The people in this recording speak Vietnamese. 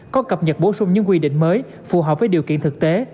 có cập nhật bổ sung những quy định mới phù hợp với điều kiện thực tế